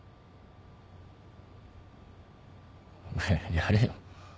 やれよ。